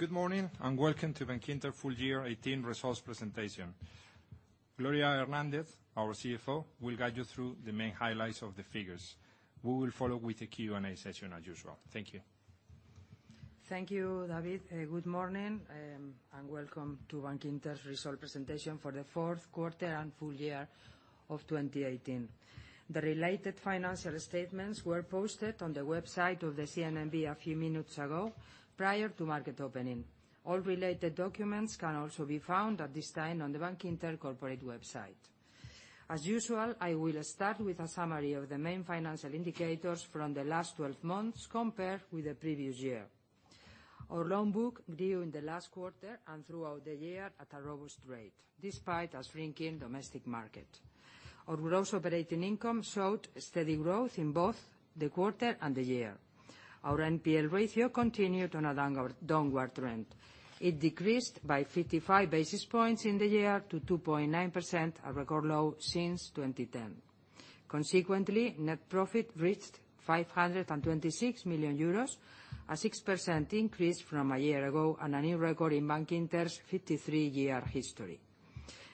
Good morning, welcome to Bankinter Full Year 2018 Results Presentation. Gloria Hernández, our CFO, will guide you through the main highlights of the figures. We will follow with the Q&A session, as usual. Thank you. Thank you, David. Good morning, welcome to Bankinter's Result Presentation for the Fourth Quarter and Full Year of 2018. The related financial statements were posted on the website of the CNMV a few minutes ago, prior to market opening. All related documents can also be found at this time on the Bankinter corporate website. As usual, I will start with a summary of the main financial indicators from the last 12 months compared with the previous year. Our loan book grew in the last quarter and throughout the year at a robust rate, despite a shrinking domestic market. Our gross operating income showed steady growth in both the quarter and the year. Our NPL ratio continued on a downward trend. It decreased by 55 basis points in the year to 2.9%, a record low since 2010. Consequently, net profit reached 526 million euros, a 6% increase from a year ago, and a new record in Bankinter's 53-year history.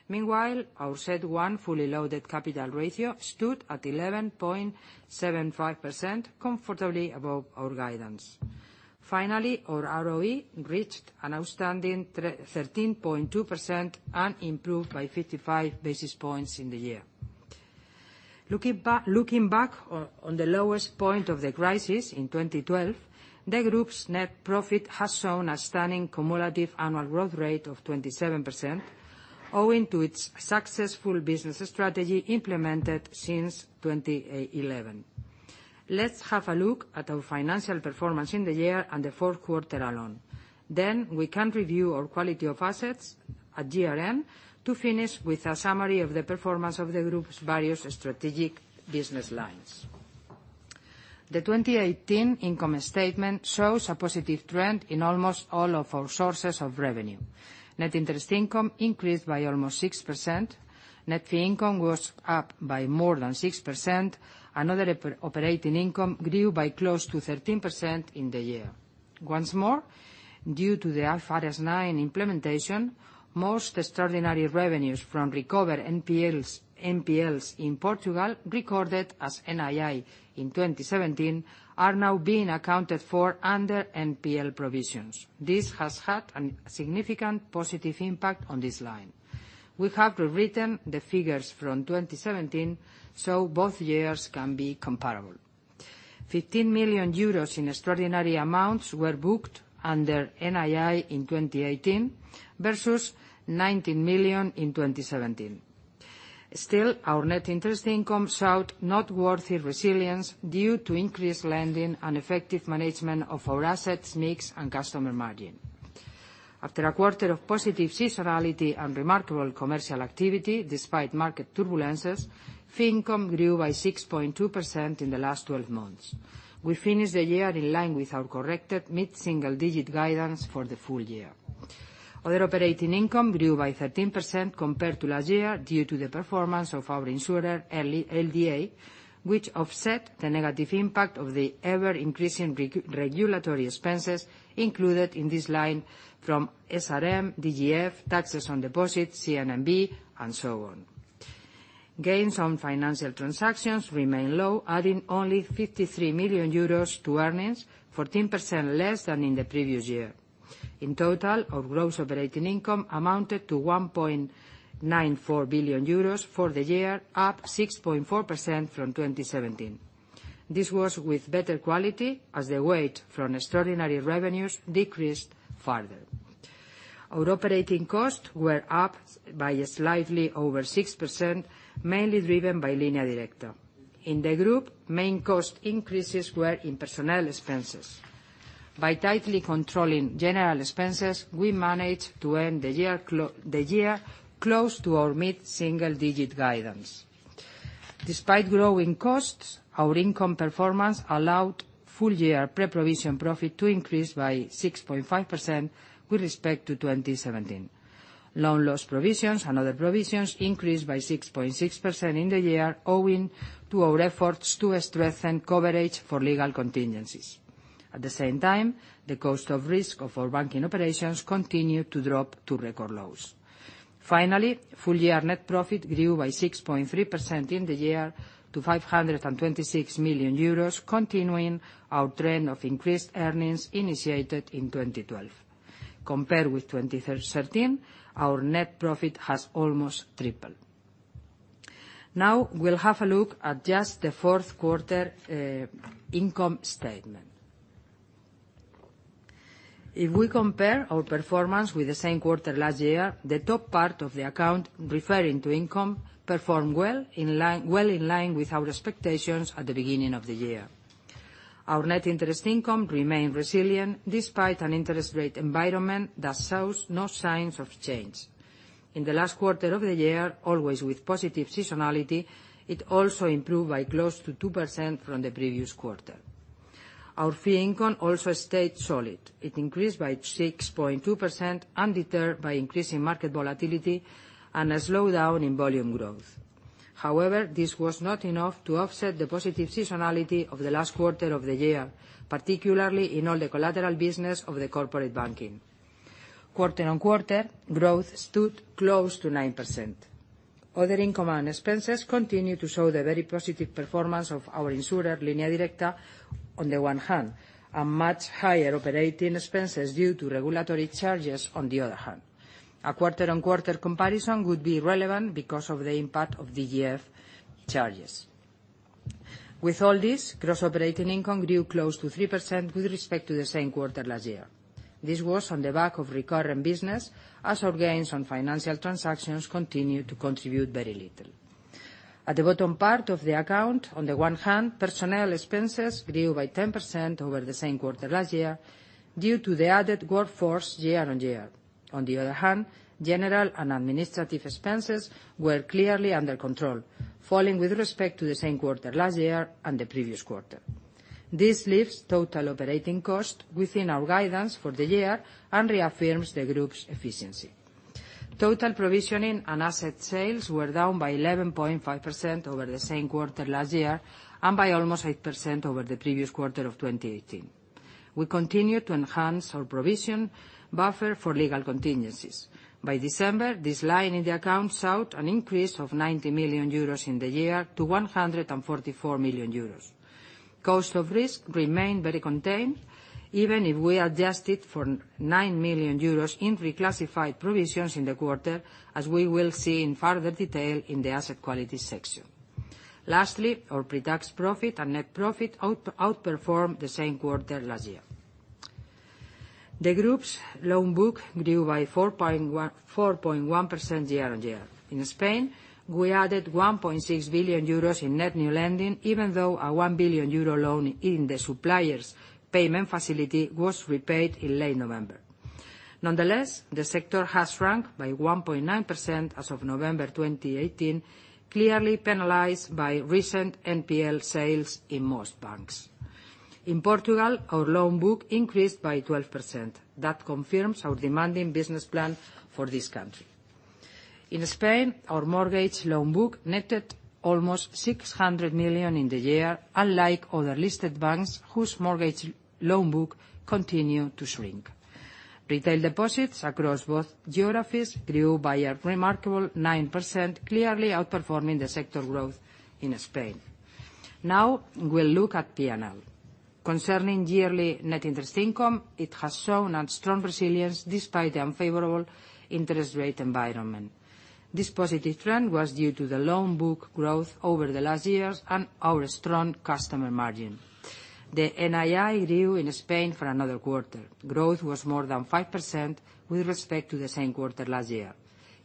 Meanwhile, our CET1 fully loaded capital ratio stood at 11.75%, comfortably above our guidance. Finally, our ROE reached an outstanding 13.2% and improved by 55 basis points in the year. Looking back on the lowest point of the crisis in 2012, the group's net profit has shown a stunning cumulative annual growth rate of 27%, owing to its successful business strategy implemented since 2011. Let's have a look at our financial performance in the year and the fourth quarter alone. We can review our quality of assets at year-end, to finish with a summary of the performance of the group's various strategic business lines. The 2018 income statement shows a positive trend in almost all of our sources of revenue. Net interest income increased by almost 6%. Net fee income was up by more than 6%. Other operating income grew by close to 13% in the year. Once more, due to the IFRS 9 implementation, most extraordinary revenues from recovered NPLs in Portugal recorded as NII in 2017 are now being accounted for under NPL provisions. This has had a significant positive impact on this line. We have rewritten the figures from 2017 so both years can be comparable. 15 million euros in extraordinary amounts were booked under NII in 2018 versus 19 million in 2017. Still, our net interest income showed noteworthy resilience due to increased lending and effective management of our assets mix and customer margin. After a quarter of positive seasonality and remarkable commercial activity despite market turbulences, fee income grew by 6.2% in the last 12 months. We finished the year in line with our corrected mid-single digit guidance for the full year. Other operating income grew by 13% compared to last year due to the performance of our insurer, LDA, which offset the negative impact of the ever-increasing regulatory expenses included in this line from SRF, DGF, taxes on deposits, CNMV, and so on. Gains on financial transactions remain low, adding only 53 million euros to earnings, 14% less than in the previous year. In total, our gross operating income amounted to 1.94 billion euros for the year, up 6.4% from 2017. This was with better quality, as the weight from extraordinary revenues decreased further. Our operating costs were up by slightly over 6%, mainly driven by Línea Directa. In the group, main cost increases were in personnel expenses. By tightly controlling general expenses, we managed to end the year close to our mid-single-digit guidance. Despite growing costs, our income performance allowed full-year pre-provision profit to increase by 6.5% with respect to 2017. Loan loss provisions and other provisions increased by 6.6% in the year owing to our efforts to strengthen coverage for legal contingencies. At the same time, the cost of risk of our banking operations continued to drop to record lows. Finally, full-year net profit grew by 6.3% in the year to 526 million euros, continuing our trend of increased earnings initiated in 2012. Compared with 2013, our net profit has almost tripled. Now we'll have a look at just the fourth quarter income statement. If we compare our performance with the same quarter last year, the top part of the account referring to income performed well in line with our expectations at the beginning of the year. Our net interest income remained resilient despite an interest rate environment that shows no signs of change. In the last quarter of the year, always with positive seasonality, it also improved by close to 2% from the previous quarter. Our fee income also stayed solid. It increased by 6.2%, undeterred by increasing market volatility and a slowdown in volume growth. However, this was not enough to offset the positive seasonality of the last quarter of the year, particularly in all the collateral business of the corporate banking. Quarter-on-quarter, growth stood close to 9%. Other income and expenses continue to show the very positive performance of our insurer, Línea Directa, on the one hand, and much higher operating expenses due to regulatory charges on the other hand. A quarter-on-quarter comparison would be relevant because of the impact of the year charges. With all this, gross operating income grew close to 3% with respect to the same quarter last year. This was on the back of recurring business, as our gains on financial transactions continued to contribute very little. At the bottom part of the account, on the one hand, personnel expenses grew by 10% over the same quarter last year due to the added workforce year-on-year. On the other hand, general and administrative expenses were clearly under control, falling with respect to the same quarter last year and the previous quarter. This leaves total operating cost within our guidance for the year and reaffirms the group's efficiency. Total provisioning and asset sales were down by 11.5% over the same quarter last year, and by almost 8% over the previous quarter of 2018. We continue to enhance our provision buffer for legal contingencies. By December, this line in the account showed an increase of 90 million euros in the year to 144 million euros. Cost of risk remained very contained, even if we adjusted for 9 million euros in reclassified provisions in the quarter, as we will see in further detail in the asset quality section. Lastly, our pre-tax profit and net profit outperformed the same quarter last year. The group's loan book grew by 4.1% year-on-year. In Spain, we added 1.6 billion euros in net new lending, even though a 1 billion euro loan in the suppliers' payment facility was repaid in late November. Nonetheless, the sector has shrunk by 1.9% as of November 2018, clearly penalized by recent NPL sales in most banks. In Portugal, our loan book increased by 12%. That confirms our demanding business plan for this country. In Spain, our mortgage loan book netted almost 600 million in the year, unlike other listed banks whose mortgage loan book continue to shrink. Retail deposits across both geographies grew by a remarkable 9%, clearly outperforming the sector growth in Spain. Now, we'll look at P&L. Concerning yearly net interest income, it has shown a strong resilience despite the unfavorable interest rate environment. This positive trend was due to the loan book growth over the last years and our strong customer margin. The NII grew in Spain for another quarter. Growth was more than 5% with respect to the same quarter last year.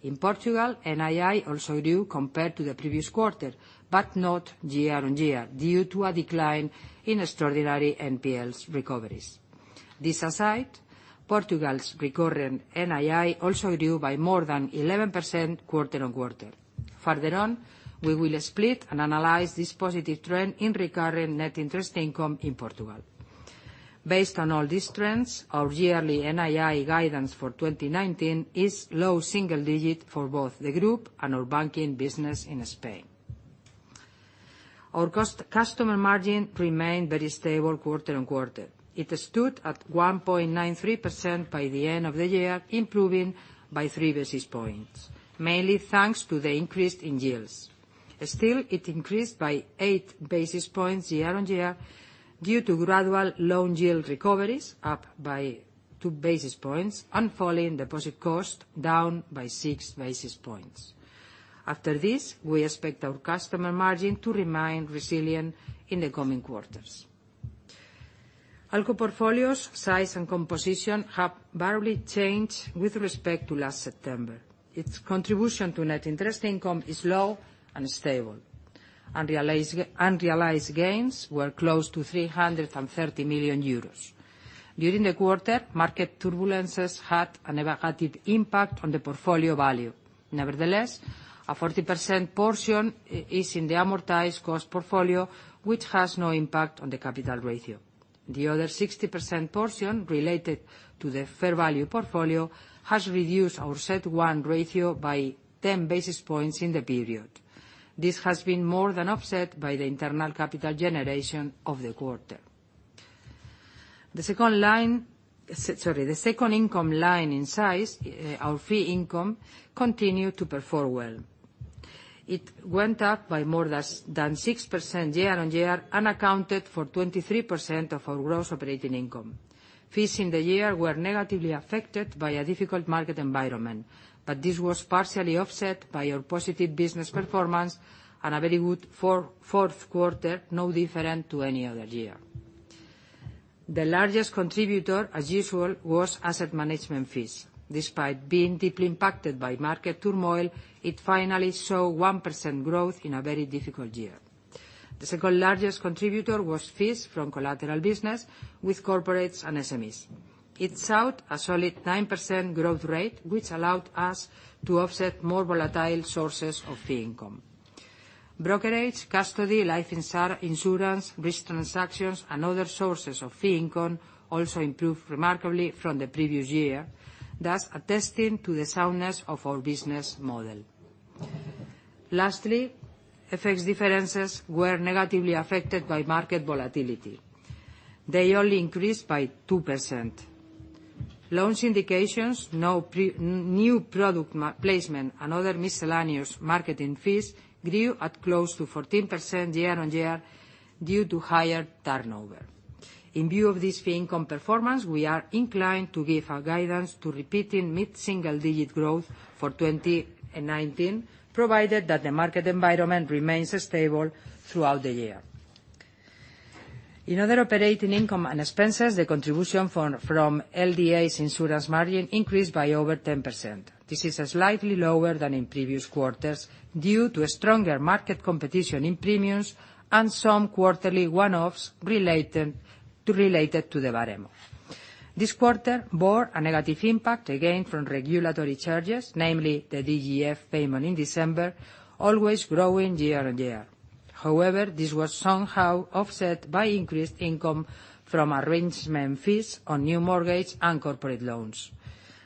In Portugal, NII also grew compared to the previous quarter, but not year-on-year due to a decline in extraordinary NPLs recoveries. This aside, Portugal's recurring NII also grew by more than 11% quarter-on-quarter. Further on, we will split and analyze this positive trend in recurring net interest income in Portugal. Based on all these trends, our yearly NII guidance for 2019 is low single digit for both the group and our banking business in Spain. Our cost customer margin remained very stable quarter-on-quarter. It stood at 1.93% by the end of the year, improving by 3 basis points, mainly thanks to the increase in yields. Still, it increased by 8 basis points year-on-year due to gradual loan yield recoveries up by 2 basis points, and falling deposit cost down by 6 basis points. After this, we expect our customer margin to remain resilient in the coming quarters. ALCO portfolios size and composition have barely changed with respect to last September. Its contribution to net interest income is low and stable. Unrealized gains were close to 330 million euros. During the quarter, market turbulences had a negative impact on the portfolio value. Nevertheless, a 40% portion is in the amortized cost portfolio, which has no impact on the capital ratio. The other 60% portion related to the fair value portfolio has reduced our CET1 ratio by 10 basis points in the period. This has been more than offset by the internal capital generation of the quarter. The second income line in size, our fee income, continued to perform well. It went up by more than 6% year-on-year and accounted for 23% of our gross operating income. Fees in the year were negatively affected by a difficult market environment, but this was partially offset by our positive business performance and a very good fourth quarter, no different to any other year. The largest contributor, as usual, was asset management fees. Despite being deeply impacted by market turmoil, it finally saw 1% growth in a very difficult year. The second largest contributor was fees from collateral business with corporates and SMEs. It showed a solid 9% growth rate, which allowed us to offset more volatile sources of fee income. Brokerage, custody, life insurance, risk transactions, and other sources of fee income also improved remarkably from the previous year, thus attesting to the soundness of our business model. Lastly, FX differences were negatively affected by market volatility. They only increased by 2%. Loan syndications, new product placement, and other miscellaneous marketing fees grew at close to 14% year-on-year due to higher turnover. In view of this fee income performance, we are inclined to give our guidance to repeating mid-single digit growth for 2019, provided that the market environment remains stable throughout the year. In other operating income and expenses, the contribution from LDA's insurance margin increased by over 10%. This is slightly lower than in previous quarters due to stronger market competition in premiums and some quarterly one-offs related to the baremo. This quarter bore a negative impact again from regulatory charges, namely the DGF payment in December, always growing year-on-year. This was somehow offset by increased income from arrangement fees on new mortgage and corporate loans.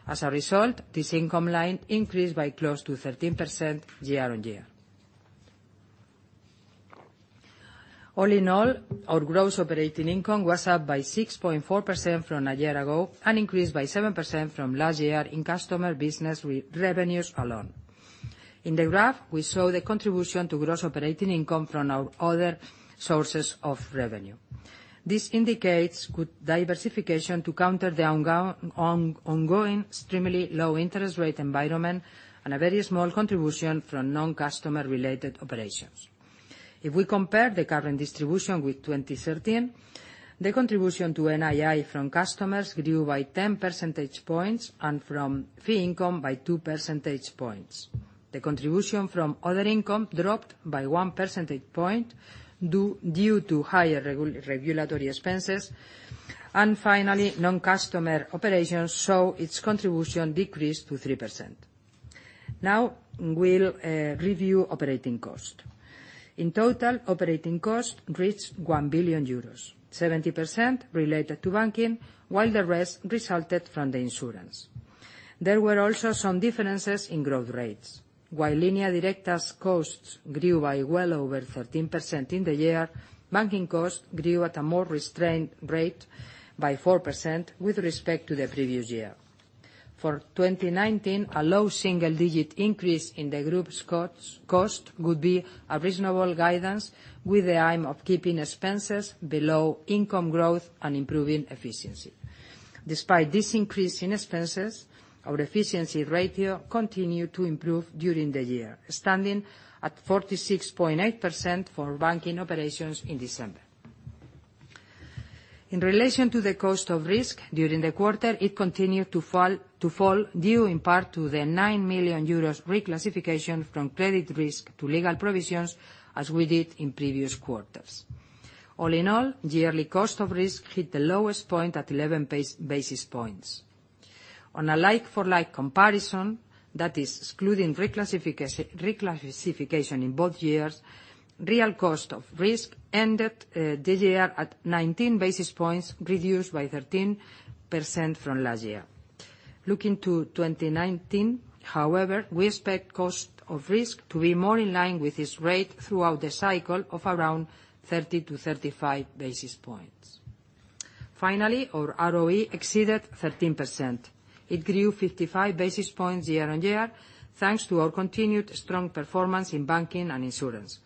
As a result, this income line increased by close to 13% year-on-year. Our gross operating income was up by 6.4% from a year ago and increased by 7% from last year in customer business revenues alone. In the graph, we saw the contribution to gross operating income from our other sources of revenue. This indicates good diversification to counter the ongoing extremely low interest rate environment and a very small contribution from non-customer-related operations. If we compare the current distribution with 2013, the contribution to NII from customers grew by 10 percentage points and from fee income by 2 percentage points. The contribution from other income dropped by one percentage point due to higher regulatory expenses. Finally, non-customer operations saw its contribution decrease to 3%. Now we'll review operating cost. In total, operating cost reached 1 billion euros, 70% related to banking, while the rest resulted from the insurance. There were also some differences in growth rates. While Línea Directa's costs grew by well over 13% in the year, banking costs grew at a more restrained rate by 4% with respect to the previous year. For 2019, a low single-digit increase in the group's cost would be a reasonable guidance, with the aim of keeping expenses below income growth and improving efficiency. Despite this increase in expenses, our efficiency ratio continued to improve during the year, standing at 46.8% for banking operations in December. In relation to the cost of risk during the quarter, it continued to fall, due in part to the 9 million euros reclassification from credit risk to legal provisions, as we did in previous quarters. Yearly cost of risk hit the lowest point at 11 basis points. On a like-for-like comparison, that is excluding reclassification in both years, real cost of risk ended the year at 19 basis points, reduced by 13% from last year. Looking to 2019, we expect cost of risk to be more in line with this rate throughout the cycle of around 30 basis points to 35 basis points. Finally, our ROE exceeded 13%. It grew 55 basis points year-on-year, thanks to our continued strong performance in banking and insurance.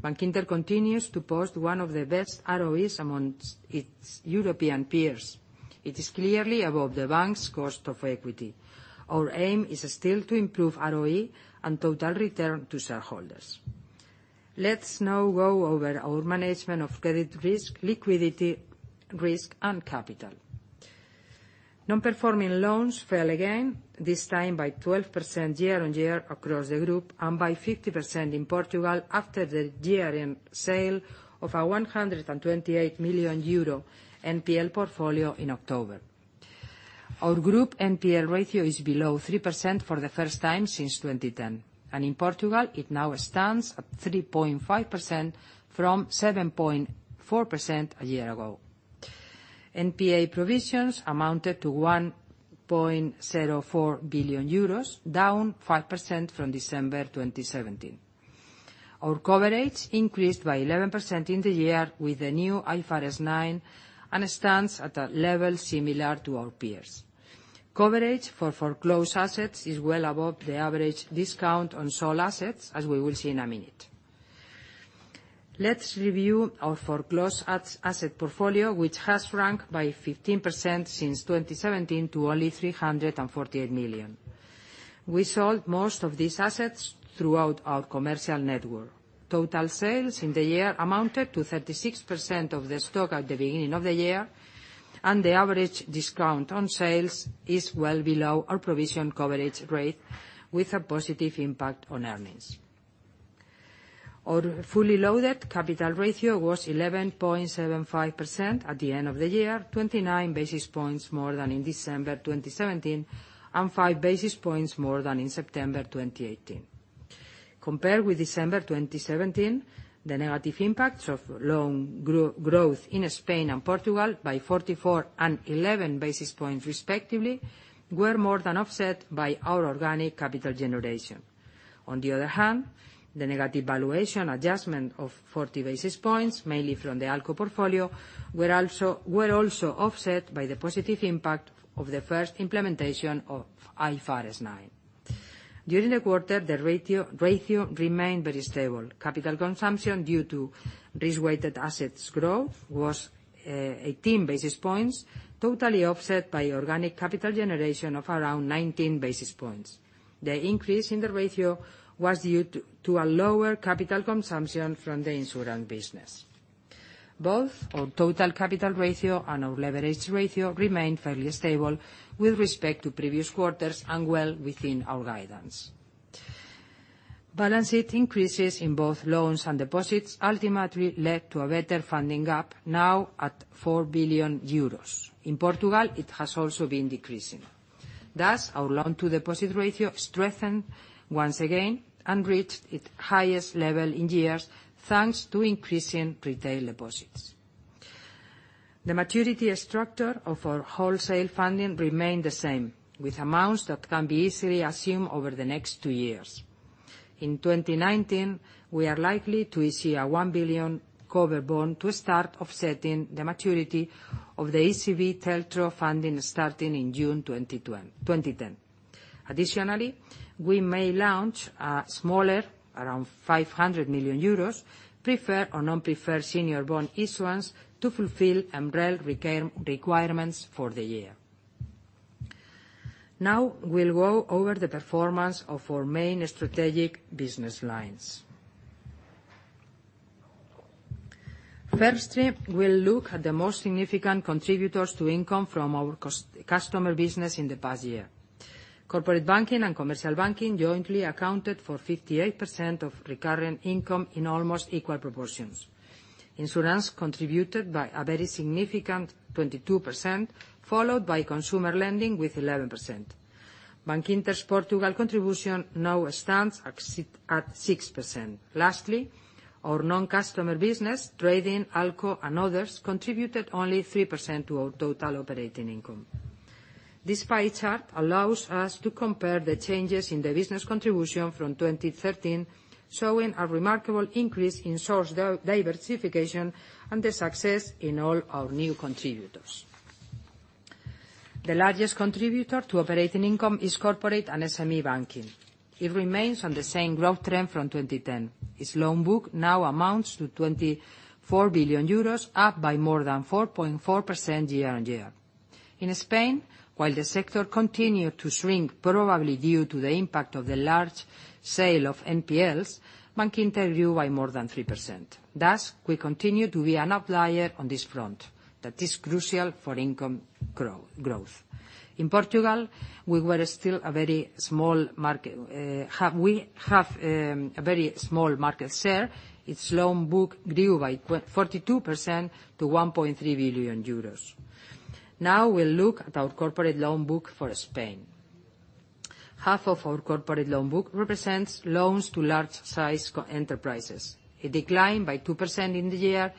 Bankinter continues to post one of the best ROEs amongst its European peers. It is clearly above the bank's cost of equity. Our aim is still to improve ROE and total return to shareholders. Let's now go over our management of credit risk, liquidity risk, and capital. Non-performing loans fell again, this time by 12% year-on-year across the group and by 50% in Portugal after the year-end sale of a 128 million euro NPL portfolio in October. Our group NPL ratio is below 3% for the first time since 2010, and in Portugal, it now stands at 3.5% from 7.4% a year ago. NPA provisions amounted to 1.04 billion euros, down 5% from December 2017. Our coverage increased by 11% in the year with the new IFRS 9 and stands at a level similar to our peers. Coverage for foreclosed assets is well above the average discount on sold assets, as we will see in a minute. Let's review our foreclosed asset portfolio, which has shrunk by 15% since 2017 to only 348 million. We sold most of these assets throughout our commercial network. Total sales in the year amounted to 36% of the stock at the beginning of the year. The average discount on sales is well below our provision coverage rate with a positive impact on earnings. Our fully loaded capital ratio was 11.75% at the end of the year, 29 basis points more than in December 2017 and 5 basis points more than in September 2018. Compared with December 2017, the negative impacts of loan growth in Spain and Portugal by 44 basis points and 11 basis points, respectively, were more than offset by our organic capital generation. On the other hand, the negative valuation adjustment of 40 basis points, mainly from the ALCO portfolio, were also offset by the positive impact of the first implementation of IFRS 9. During the quarter, the ratio remained very stable. Capital consumption due to risk-weighted assets growth was 18 basis points, totally offset by organic capital generation of around 19 basis points. The increase in the ratio was due to a lower capital consumption from the insurance business. Both our total capital ratio and our leverage ratio remained fairly stable with respect to previous quarters and well within our guidance. Balanced increases in both loans and deposits ultimately led to a better funding gap, now at 4 billion euros. In Portugal, it has also been decreasing. Our loan-to-deposit ratio strengthened once again and reached its highest level in years, thanks to increasing retail deposits. The maturity structure of our wholesale funding remained the same, with amounts that can be easily assumed over the next two years. In 2019, we are likely to issue a 1 billion cover bond to start offsetting the maturity of the ECB TLTRO funding starting in June 2010. Additionally, we may launch a smaller, around 500 million euros, preferred or non-preferred senior bond issuance to fulfill MREL requirements for the year. We'll go over the performance of our main strategic business lines. Firstly, we'll look at the most significant contributors to income from our customer business in the past year. Corporate banking and commercial banking jointly accounted for 58% of recurring income in almost equal proportions. Insurance contributed by a very significant 22%, followed by consumer lending with 11%. Bankinter Portugal contribution now stands at 6%. Lastly, our non-customer business, trading, ALCO, and others contributed only 3% to our total operating income. This pie chart allows us to compare the changes in the business contribution from 2013, showing a remarkable increase in source diversification and the success in all our new contributors. The largest contributor to operating income is corporate and SME banking. It remains on the same growth trend from 2010. Its loan book now amounts to 24 billion euros, up by more than 4.4% year-on-year. In Spain, while the sector continued to shrink, probably due to the impact of the large sale of NPLs, Bankinter grew by more than 3%. Thus, we continue to be an outlier on this front that is crucial for income growth. In Portugal, we have a very small market share. Its loan book grew by 42% to 1.3 billion euros. Now we'll look at our corporate loan book for Spain. Half of our corporate loan book represents loans to large-sized enterprises. It declined by 2% in the year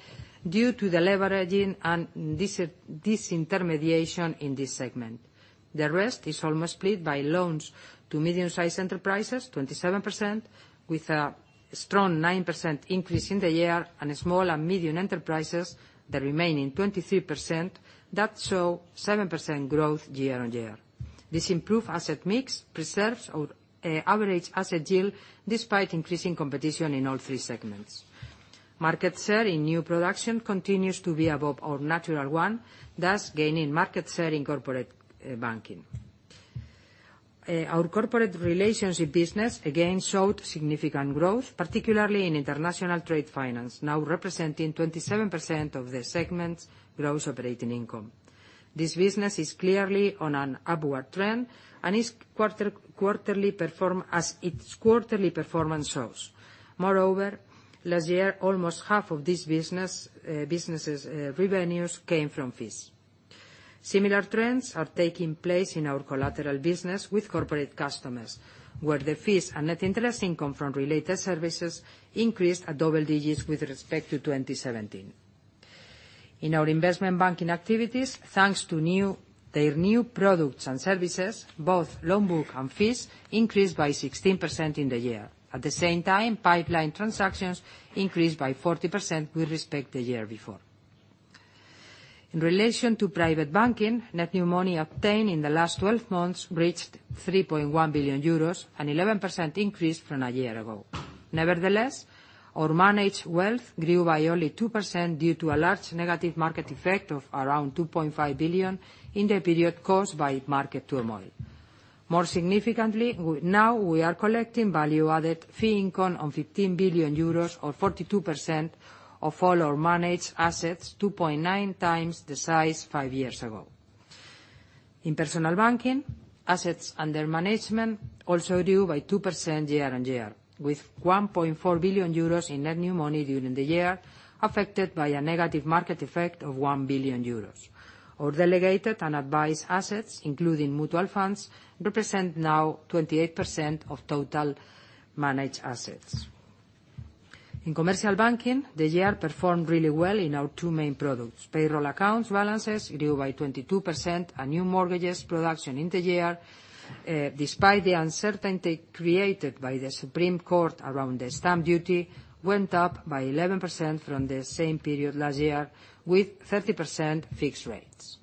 due to the leveraging and disintermediation in this segment. The rest is almost split by loans to medium-sized enterprises, 27%, with a strong 9% increase in the year, and small and medium enterprises, the remaining 23%, that show 7% growth year-on-year. This improved asset mix preserves our average asset yield despite increasing competition in all three segments. Market share in new production continues to be above our natural one, thus gaining market share in corporate banking. Our corporate relationship business again showed significant growth, particularly in international trade finance, now representing 27% of the segment's gross operating income. This business is clearly on an upward trend, as its quarterly performance shows. Moreover, last year, almost half of this business' revenues came from fees. Similar trends are taking place in our collateral business with corporate customers, where the fees and net interest income from related services increased at double digits with respect to 2017. In our investment banking activities, thanks to their new products and services, both loan book and fees increased by 16% in the year. At the same time, pipeline transactions increased by 40% with respect the year before. In relation to private banking, net new money obtained in the last 12 months reached 3.1 billion euros, an 11% increase from a year ago. Nevertheless, our managed wealth grew by only 2% due to a large negative market effect of around 2.5 billion in the period caused by market turmoil. More significantly, now we are collecting value-added fee income on 15 billion euros, or 42% of all our managed assets, 2.9 times the size five years ago. In personal banking, assets under management also grew by 2% year-on-year, with 1.4 billion euros in net new money during the year, affected by a negative market effect of 1 billion euros. Our delegated and advised assets, including mutual funds, represent now 28% of total managed assets. In commercial banking, the year performed really well in our two main products. Payroll accounts balances grew by 22%, and new mortgages production in the year, despite the uncertainty created by the Supreme Court around the stamp duty, went up by 11% from the same period last year, with 30% fixed rates.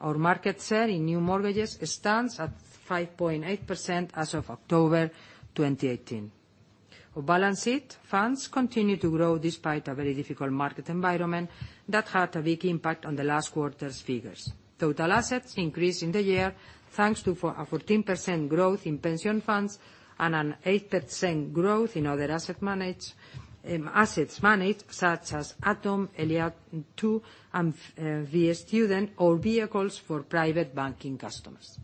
Our market share in new mortgages stands at 5.8% as of October 2018. Our balance sheet funds continue to grow despite a very difficult market environment that had a big impact on the last quarter's figures. Total assets increased in the year, thanks to a 14% growth in pension funds and an 8% growth in other assets managed, such as Atom, Helia, and V Student, or vehicles for private banking customers.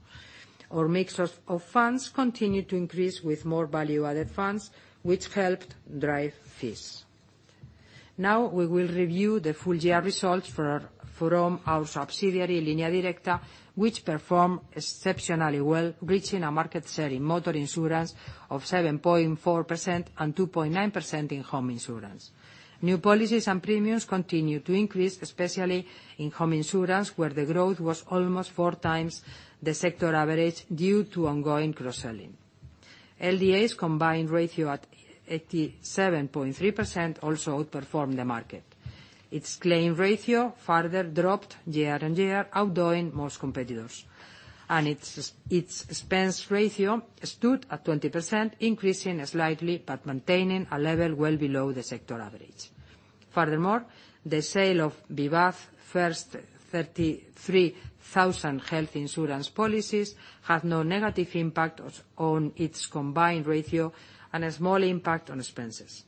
Our mix of funds continued to increase with more value-added funds, which helped drive fees. Now we will review the full year results from our subsidiary, Línea Directa, which performed exceptionally well, reaching a market share in motor insurance of 7.4% and 2.9% in home insurance. New policies and premiums continued to increase, especially in home insurance, where the growth was almost four times the sector average due to ongoing cross-selling. LDA's combined ratio at 87.3% also outperformed the market. Its claim ratio further dropped year-on-year, outdoing most competitors. Its expense ratio stood at 20%, increasing slightly, but maintaining a level well below the sector average. Furthermore, the sale of Vivaz first 33,000 health insurance policies had no negative impact on its combined ratio and a small impact on expenses.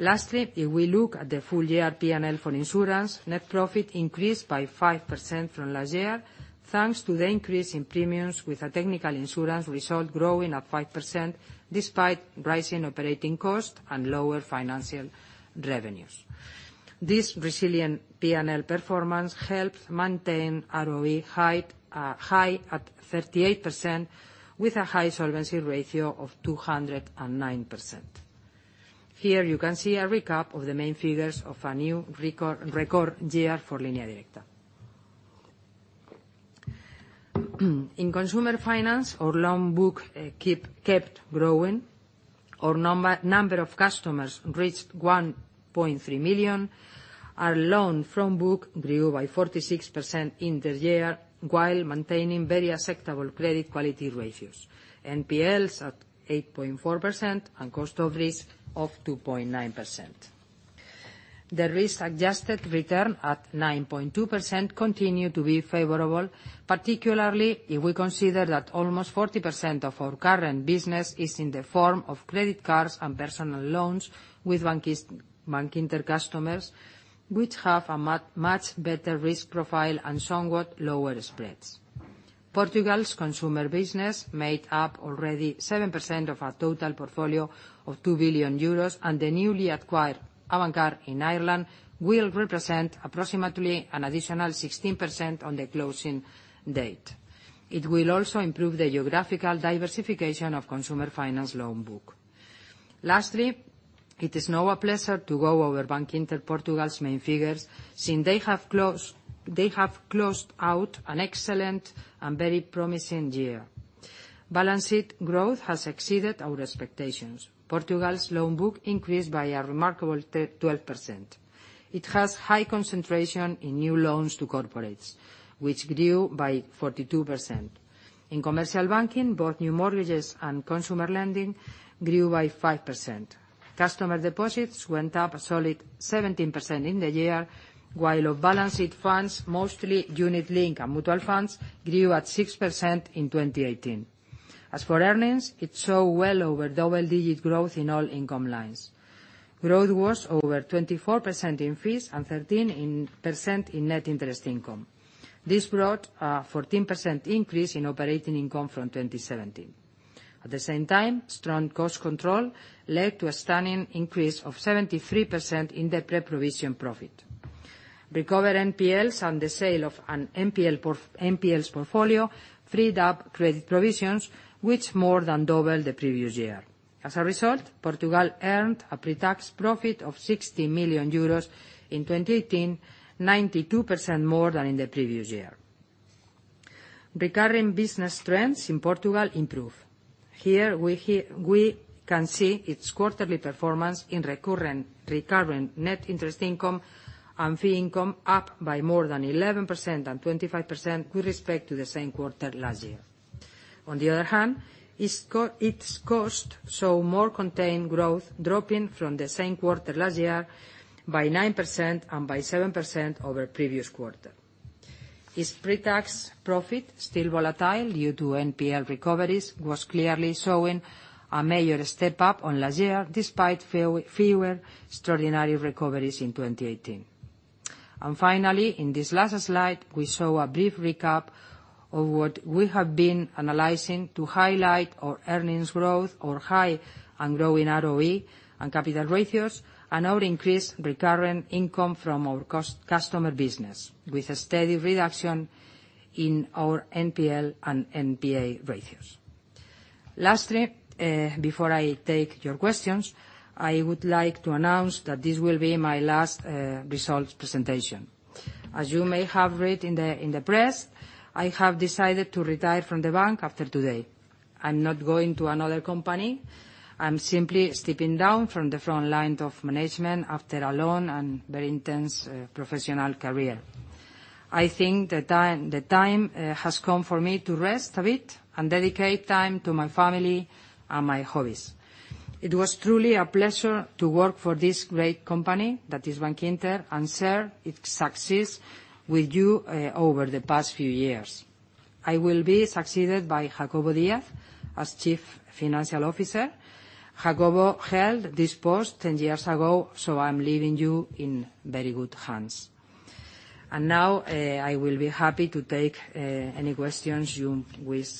Lastly, if we look at the full year P&L for insurance, net profit increased by 5% from last year, thanks to the increase in premiums, with a technical insurance result growing at 5%, despite rising operating costs and lower financial revenues. This resilient P&L performance helped maintain ROE high at 38%, with a high solvency ratio of 209%. Here you can see a recap of the main figures of our new record year for Línea Directa. In consumer finance, our loan book kept growing. Our number of customers reached 1.3 million. Our loan from book grew by 46% in the year while maintaining very acceptable credit quality ratios, NPLs at 8.4% and cost of risk of 2.9%. The risk-adjusted return at 9.2% continued to be favorable, particularly if we consider that almost 40% of our current business is in the form of credit cards and personal loans with Bankinter customers, which have a much better risk profile and somewhat lower spreads. Portugal's consumer business made up already 7% of our total portfolio of 2 billion euros, and the newly acquired Avantcard in Ireland will represent approximately an additional 16% on the closing date. It will also improve the geographical diversification of consumer finance loan book. Lastly, it is now a pleasure to go over Bankinter Portugal's main figures, since they have closed out an excellent and very promising year. Balance sheet growth has exceeded our expectations. Portugal's loan book increased by a remarkable 12%. It has high concentration in new loans to corporates, which grew by 42%. In commercial banking, both new mortgages and consumer lending grew by 5%. Customer deposits went up a solid 17% in the year, while our balance sheet funds, mostly Unit-Linked and mutual funds, grew at 6% in 2018. As for earnings, it show well over double-digit growth in all income lines. Growth was over 24% in fees and 13% in net interest income. This brought a 14% increase in operating income from 2017. At the same time, strong cost control led to a stunning increase of 73% in the pre-provision profit. Recovered NPLs and the sale of an NPLs portfolio freed up credit provisions, which more than doubled the previous year. As a result, Portugal earned a pre-tax profit of 60 million euros in 2018, 92% more than in the previous year. Recurring business trends in Portugal improved. Here, we can see its quarterly performance in recurring net interest income and fee income up by more than 11% and 25% with respect to the same quarter last year. Its cost saw more contained growth, dropping from the same quarter last year by 9% and by 7% over the previous quarter. Its pre-tax profit, still volatile due to NPL recoveries, was clearly showing a major step-up on last year, despite fewer extraordinary recoveries in 2018. Finally, in this last slide, we show a brief recap of what we have been analyzing to highlight our earnings growth, our high and growing ROE and capital ratios, and our increased recurring income from our customer business, with a steady reduction in our NPL and NPA ratios. Before I take your questions, I would like to announce that this will be my last results presentation. As you may have read in the press, I have decided to retire from the bank after today. I am not going to another company. I am simply stepping down from the front line of management after a long and very intense professional career. I think the time has come for me to rest a bit and dedicate time to my family and my hobbies. It was truly a pleasure to work for this great company, that is Bankinter, and share its success with you over the past few years. I will be succeeded by Jacobo Díaz as Chief Financial Officer. Jacobo held this post 10 years ago, I am leaving you in very good hands. I will be happy to take any questions you wish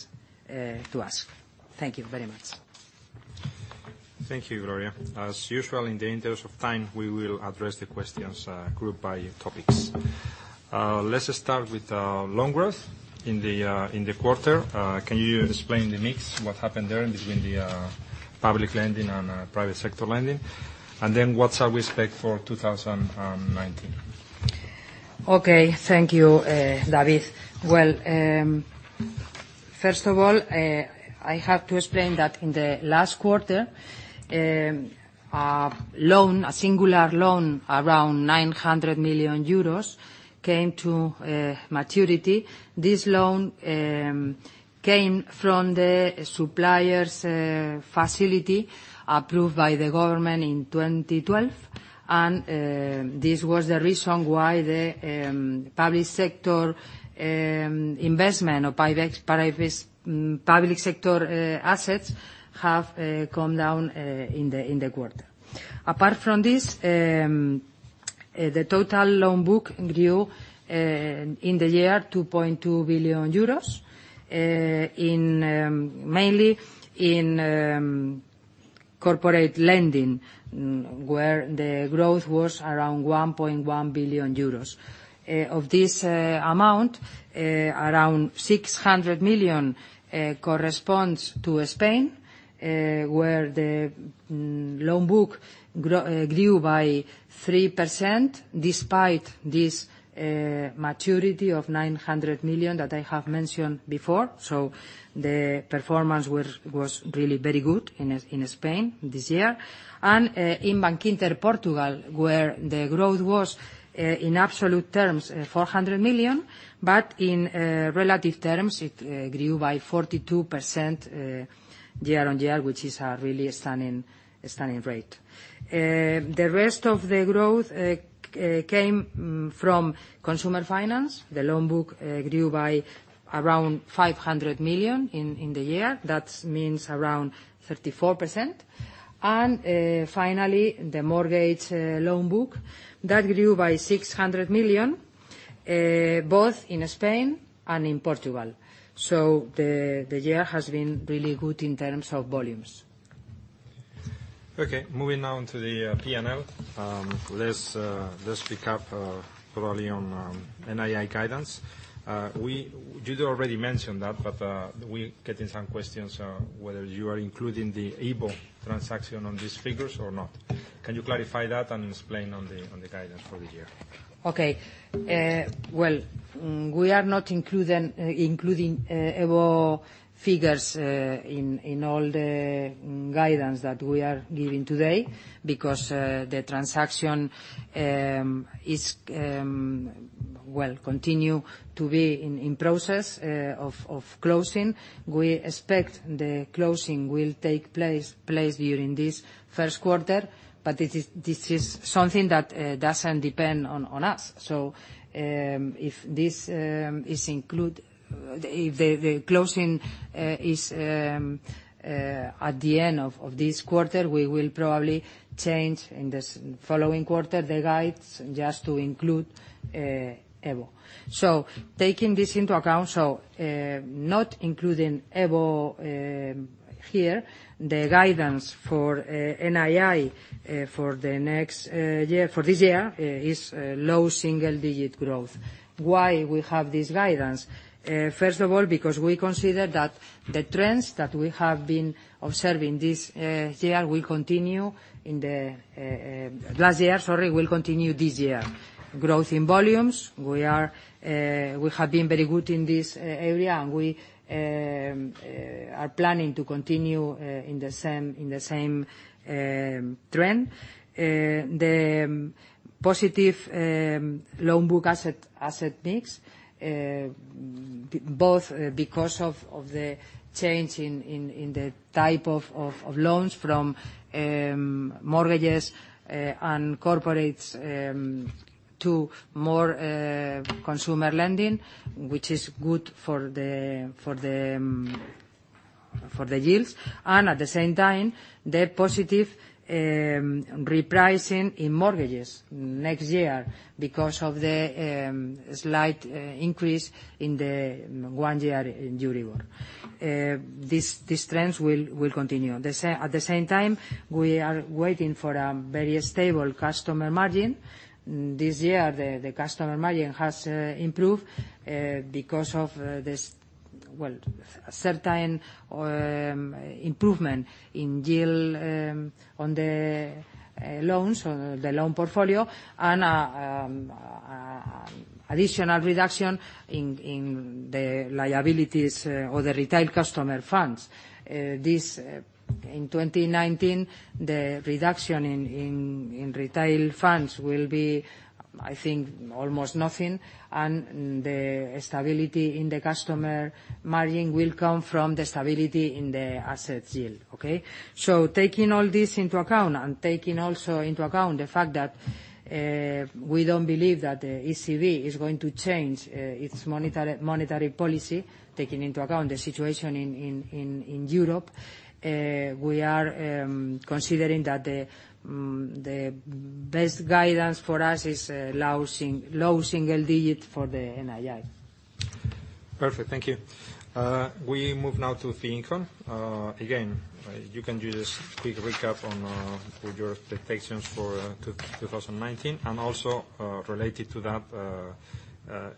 to ask. Thank you very much. Thank you, Gloria. As usual, in the interest of time, we will address the questions grouped by topics. Let us start with loan growth in the quarter. Can you explain the mix, what happened there between the public lending and private sector lending? What shall we expect for 2019? Okay. Thank you, David. Well, first of all, I have to explain that in the last quarter, a singular loan around 900 million euros came to maturity. This loan came from the suppliers facility approved by the government in 2012, and this was the reason why the public sector investment or public sector assets have come down in the quarter. Apart from this, the total loan book grew in the year 2.2 billion euros, mainly in corporate lending, where the growth was around 1.1 billion euros. Of this amount, around 600 million corresponds to Spain, where the loan book grew by 3%, despite this maturity of 900 million that I have mentioned before. The performance was really very good in Spain this year. In Bankinter Portugal, where the growth was in absolute terms 400 million, but in relative terms, it grew by 42% year-on-year, which is a really stunning rate. The rest of the growth came from consumer finance. The loan book grew by around 500 million in the year. That means around 34%. Finally, the mortgage loan book, that grew by 600 million, both in Spain and in Portugal. The year has been really good in terms of volumes. Okay. Moving now into the P&L. Let's pick up probably on NII guidance. You already mentioned that, but we're getting some questions on whether you are including the EVO transaction on these figures or not. Can you clarify that and explain on the guidance for the year? Okay. We are not including EVO figures in all the guidance that we are giving today because the transaction continues to be in process of closing. We expect the closing will take place during this first quarter, but this is something that doesn't depend on us. If the closing is at the end of this quarter, we will probably change in this following quarter the guides just to include EVO. Taking this into account, so not including EVO here, the guidance for NII for this year is low single-digit growth. Why we have this guidance? First of all, because we consider that the trends that we have been observing last year will continue this year. Growth in volumes, we have been very good in this area, and we are planning to continue in the same trend. The positive loan book asset mix, both because of the change in the type of loans from mortgages and corporates to more consumer lending, which is good for the yields, and at the same time, the positive repricing in mortgages next year because of the slight increase in the one-year Euribor. These trends will continue. At the same time, we are waiting for a very stable customer margin. This year, the customer margin has improved because of this well, certain improvement in yield on the loans or the loan portfolio, and additional reduction in the liabilities or the retail customer funds. This, in 2019, the reduction in retail funds will be, I think, almost nothing, and the stability in the customer margin will come from the stability in the asset yield. Okay? Taking all this into account and taking also into account the fact that we don't believe that the ECB is going to change its monetary policy, taking into account the situation in Europe, we are considering that the best guidance for us is low single digit for the NII. Perfect. Thank you. We move now to fee income. Again, you can do this quick recap on with your expectations for 2019. Also, related to that,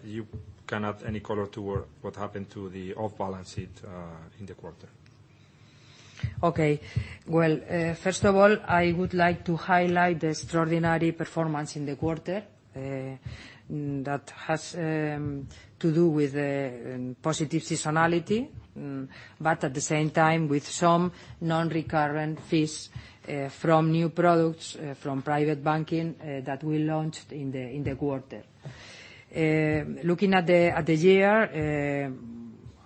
you can add any color to what happened to the off-balance sheet in the quarter. Okay. Well, first of all, I would like to highlight the extraordinary performance in the quarter. That has to do with positive seasonality, but at the same time, with some non-recurrent fees from private banking that we launched in the quarter. Looking at the year,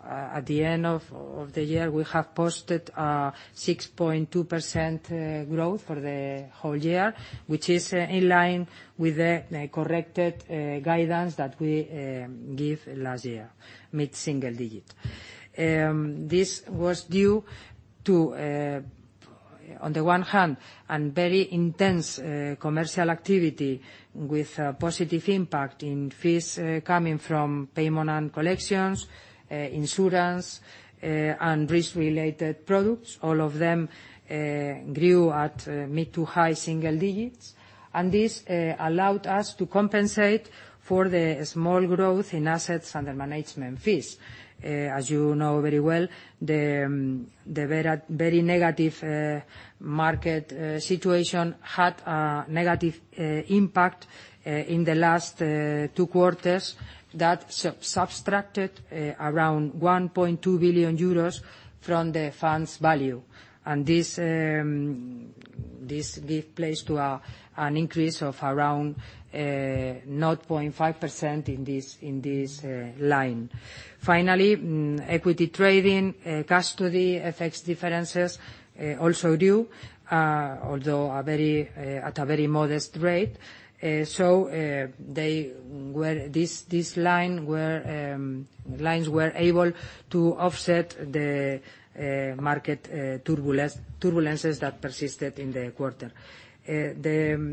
at the end of the year, we have posted a 6.2% growth for the whole year, which is in line with the corrected guidance that we gave last year, mid-single digit. This was due to, on the one hand, a very intense commercial activity with a positive impact in fees coming from payment and collections, insurance, and risk-related products. All of them grew at mid to high single digits. This allowed us to compensate for the small growth in assets under management fees. As you know very well, the very negative market situation had a negative impact in the last two quarters that subtracted around 1.2 billion euros from the funds value. This give place to an increase of around 0.5% in this line. Finally, equity trading, custody, FX differences also due, although at a very modest rate. These lines were able to offset the market turbulences that persisted in the quarter. The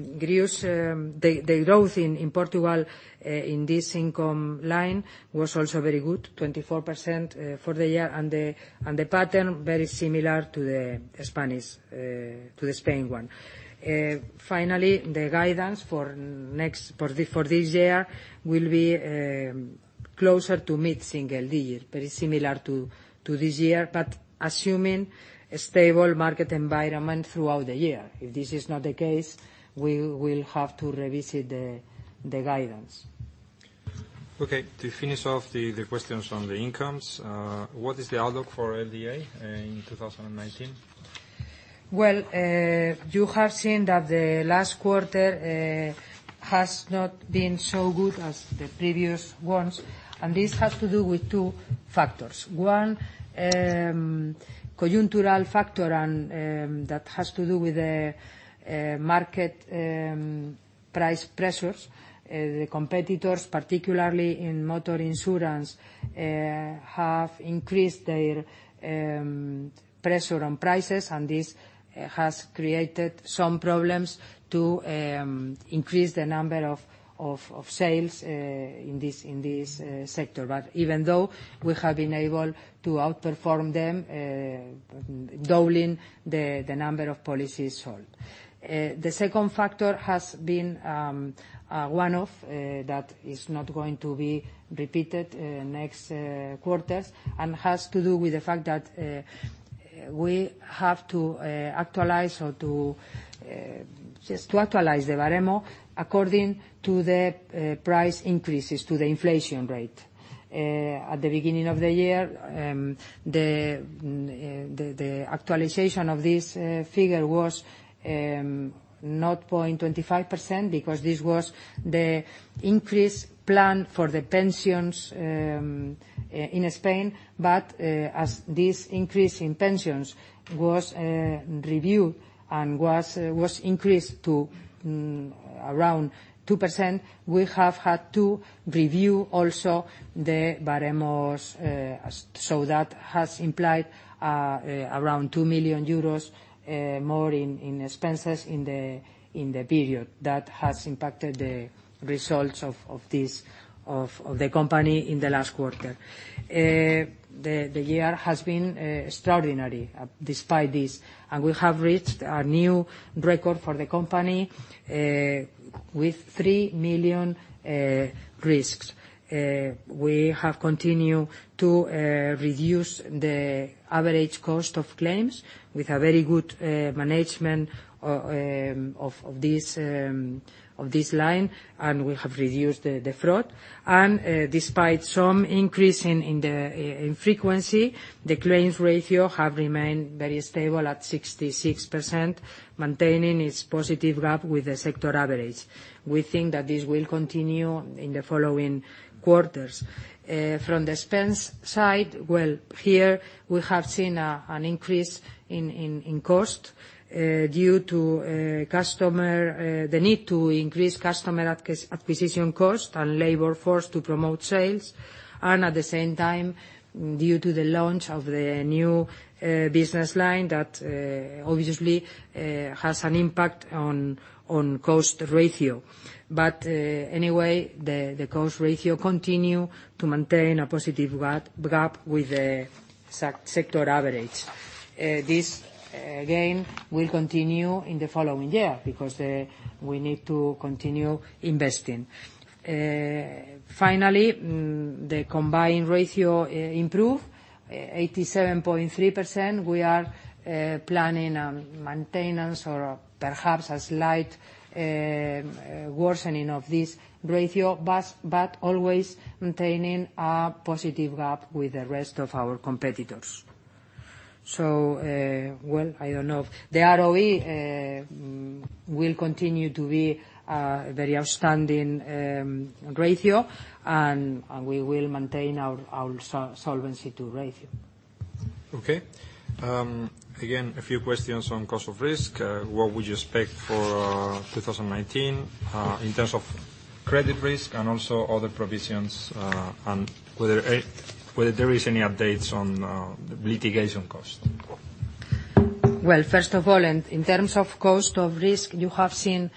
growth in Portugal in this income line was also very good, 24% for the year, and the pattern very similar to the Spain one. Finally, the guidance for this year will be closer to mid-single digit, very similar to this year, but assuming a stable market environment throughout the year. If this is not the case, we will have to revisit the guidance. Okay. To finish off the questions on the incomes, what is the outlook for LDA, and in 2019? Well, you have seen that the last quarter has not been so good as the previous ones, and this has to do with two factors. One, conjuncture factor, and that has to do with the market price pressures. The competitors, particularly in motor insurance, have increased their pressure on prices, and this has created some problems to increase the number of sales in this sector. But, even though, we have been able to outperform them, doubling the number of policies sold. The second factor has been a one-off that is not going to be repeated next quarters and has to do with the fact that we have to actualize the baremo according to the price increases, to the inflation rate. At the beginning of the year, the actualization of this figure was 0.25% because this was the increase planned for the pensions in Spain. As this increase in pensions was reviewed and was increased to around 2%, we have had to review also the baremos. That has implied around 2 million euros more in expenses in the period. That has impacted the results of the company in the last quarter. The year has been extraordinary despite this, and we have reached a new record for the company with three million risks. We have continued to reduce the average cost of claims with a very good management of this line, and we have reduced the fraud. Despite some increase in frequency, the claims ratio have remained very stable at 66%, maintaining its positive gap with the sector average. We think that this will continue in the following quarters. From the expense side, we have seen an increase in cost due to the need to increase customer acquisition cost and labor force to promote sales, and at the same time, due to the launch of the new business line that obviously has an impact on cost ratio. The cost ratio continue to maintain a positive gap with the sector average. This, again, will continue in the following year because we need to continue investing. Finally, the combined ratio improved, 87.3%. We are planning on maintenance or perhaps a slight worsening of this ratio, always maintaining a positive gap with the rest of our competitors. The ROE will continue to be a very outstanding ratio, and we will maintain our Solvency II ratio. Again, a few questions on cost of risk. What would you expect for 2019 in terms of credit risk and also other provisions, and whether there is any updates on the litigation cost? First of all, in terms of cost of risk, you have seen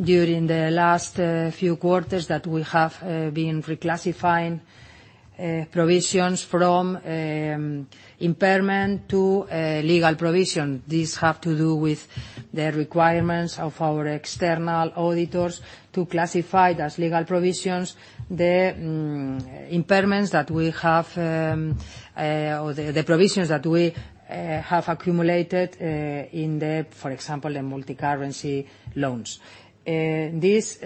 during the last few quarters that we have been reclassifying provisions from impairment to legal provision. These have to do with the requirements of our external auditors to classify it as legal provisions, the impairments that we have, or the provisions that we have accumulated in the, for example, in multi-currency loans. This,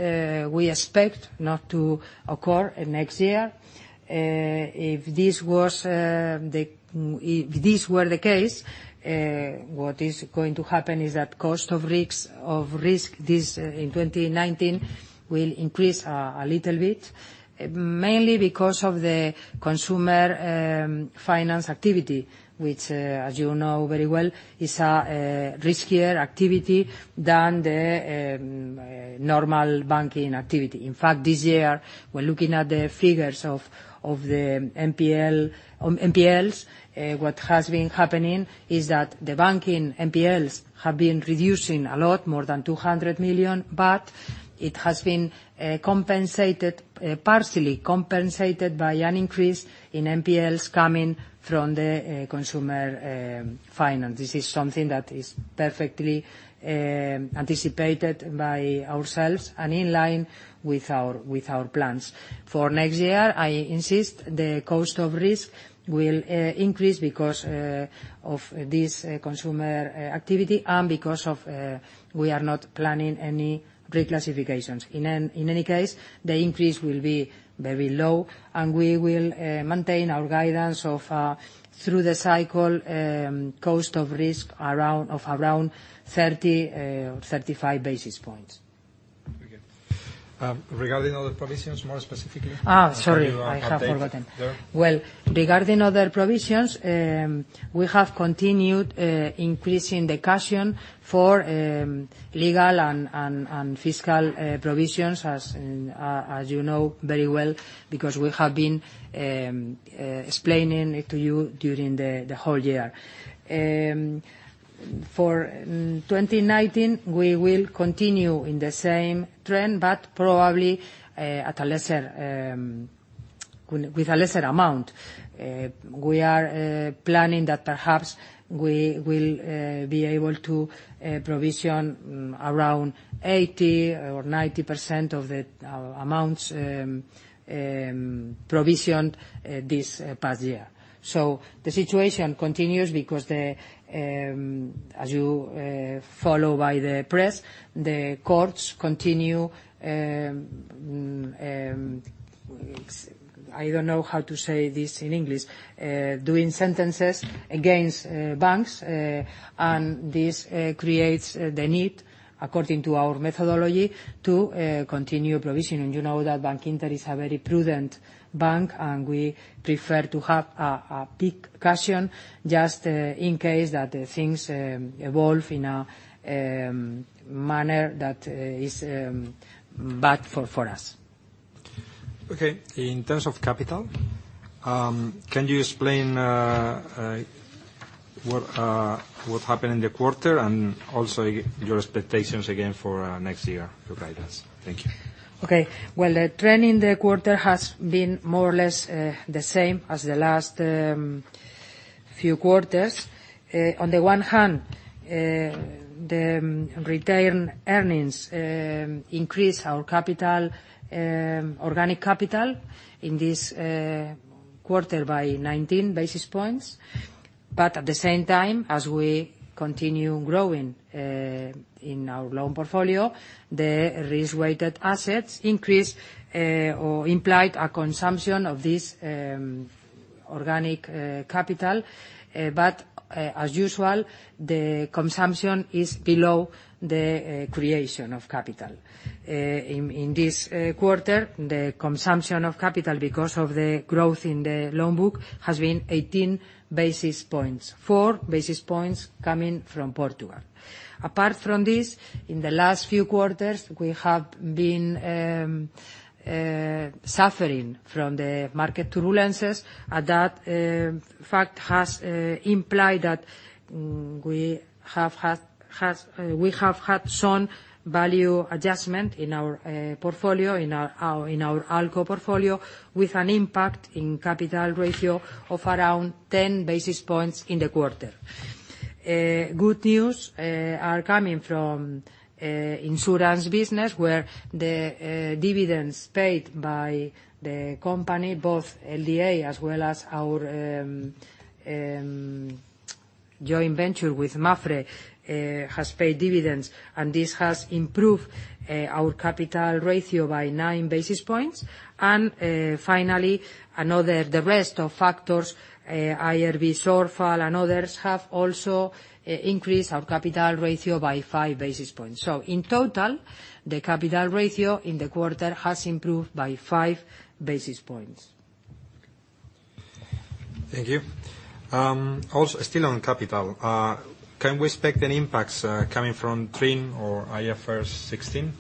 we expect not to occur next year. If this were the case, what is going to happen is that cost of risk this in 2019 will increase a little bit, mainly because of the consumer finance activity, which, as you know very well, is a riskier activity than the normal banking activity. In fact, this year, we're looking at the figures of the NPLs. What has been happening is that the banking NPLs have been reducing a lot, more than 200 million, it has been partially compensated by an increase in NPLs coming from the consumer finance. This is something that is perfectly anticipated by ourselves and in line with our plans. For next year, I insist the cost of risk will increase because of this consumer activity and because of we are not planning any reclassifications. In any case, the increase will be very low, and we will maintain our guidance of through the cycle cost of risk of around 30 basis points or 35 basis points. Okay. Regarding other provisions, more specifically. Sorry. I have forgotten Update there. Well, regarding other provisions, we have continued increasing the caution for legal and fiscal provisions, as you know very well, because we have been explaining it to you during the whole year. For 2019, we will continue in the same trend, but probably with a lesser amount. We are planning that perhaps we will be able to provision around 80% or 90% of the amounts provisioned this past year. The situation continues because as you follow by the press, the courts continue, I don't know how to say this in English, doing sentences against banks, and this creates the need, according to our methodology, to continue provisioning. You know that Bankinter is a very prudent bank, and we prefer to have a big caution just in case that things evolve in a manner that is bad for us. Okay. In terms of capital, can you explain what happened in the quarter, and also your expectations again for next year to guide us? Thank you. Well, the trend in the quarter has been more or less the same as the last few quarters. On the one hand, the retained earnings increased our organic capital in this quarter by 19 basis points. At the same time, as we continue growing in our loan portfolio, the risk-weighted assets increased or implied a consumption of this organic capital. As usual, the consumption is below the creation of capital. In this quarter, the consumption of capital, because of the growth in the loan book, has been 18 basis points, 4 basis points coming from Portugal. Apart from this, in the last few quarters, we have been suffering from the market turbulences, and that fact has implied that we had some value adjustment in our ALCO portfolio, with an impact in capital ratio of around 10 basis points in the quarter. Good news are coming from insurance business, where the dividends paid by the company, both LDA as well as our joint venture with Mapfre, has paid dividends, and this has improved our capital ratio by 9 basis points. Finally, the rest of factors, IRB shortfall and others, have also increased our capital ratio by 5 basis points. In total, the capital ratio in the quarter has improved by 5 basis points. Thank you. Still on capital, can we expect any impacts coming from TRIM or IFRS 16?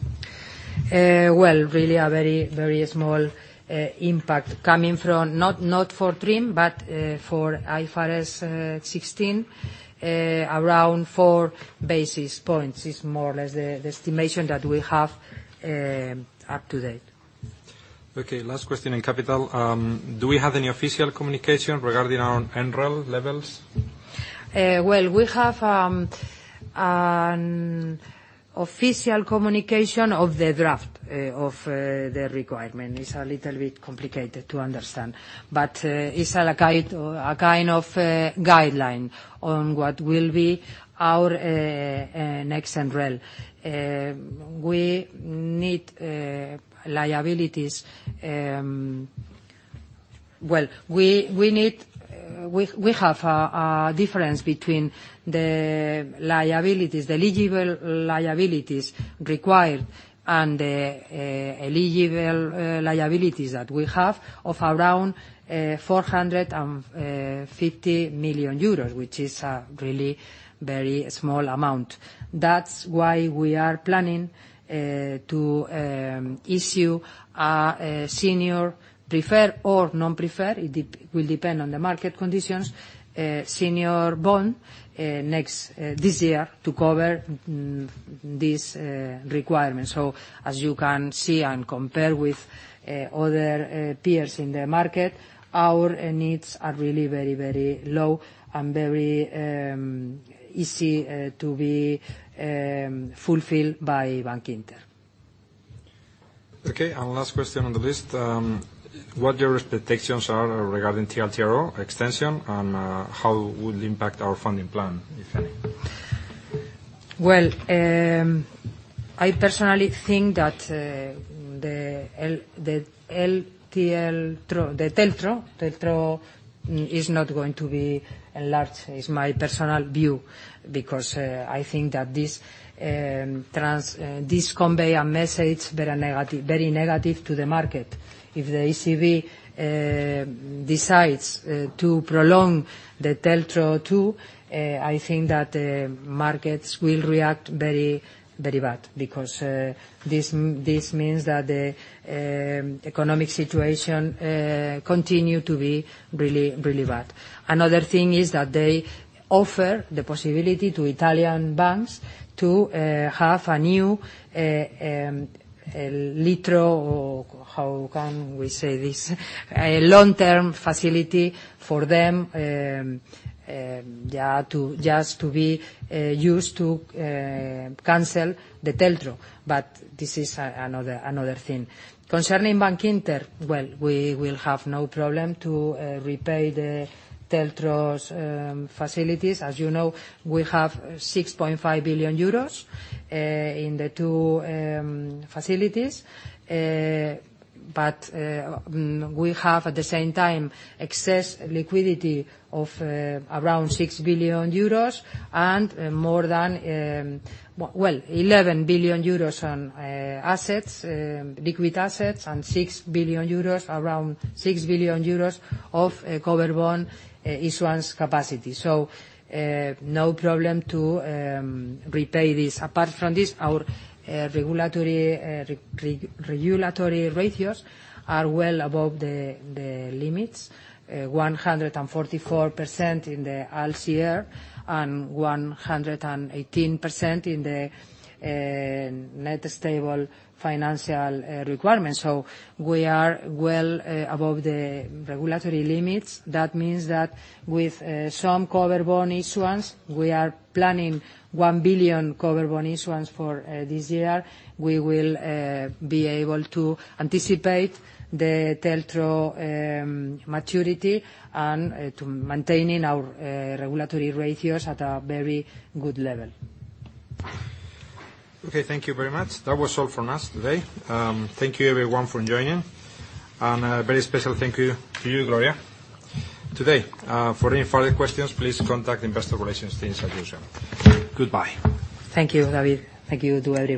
Well, really a very small impact. Coming from, not for TRIM, but for IFRS 16, around 4 basis points is more or less the estimation that we have up to date. Okay, last question in capital. Do we have any official communication regarding our MREL levels? Well, we have an official communication of the draft of the requirement. It's a little bit complicated to understand, but it's a kind of guideline on what will be our next MREL. We need liabilities, well we have a difference between the eligible liabilities required, and the eligible liabilities that we have of around 450 million euros, which is a really very small amount. Thats why we are planning to issue a senior preferred or non-preferred, it will depend on the market conditions, senior bond this year to cover this requirement. So, as you can see and compare with other peers in the market, our needs are really very low and very easy to be fulfilled by Bankinter. Okay. Last question on the list, what your expectations are regarding TLTRO extension and how it would impact our funding plan, if any? Well, I personally think that the TLTRO is not going to be enlarged, is my personal view. Because I think that this convey a message very negative to the market. If the ECB decides to prolong the TLTRO, too, I think that the markets will react very bad, because this means that the economic situation continue to be really bad. Another thing is that they offer the possibility to Italian banks to have a new LTRO, or how can we say this? A long-term facility for them, just to be used to cancel the TLTRO. But, this is another thing. Concerning Bankinter, well, we will have no problem to repay the TLTRO's facilities. As you know, we have 6.5 billion euros in the two facilities. We have, at the same time, excess liquidity of around 6 billion euros and more than 11 billion euros on liquid assets, and around 6 billion euros of covered bond issuance capacity. No problem to repay this. Apart from this, our regulatory ratios are well above the limits. 144% in the LCR and 118% in the net stable financial requirements. We are well above the regulatory limits. That means that with some covered bond issuance, we are planning 1 billion covered bond issuance for this year. We will be able to anticipate the TLTRO maturity and to maintaining our regulatory ratios at a very good level. Okay, thank you very much. That was all from us today. Thank you everyone for joining. A very special thank you to you, Gloria, today. For any further questions, please contact investor relations team solution. Goodbye. Thank you, David. Thank you to everyone.